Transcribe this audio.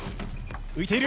浮いている。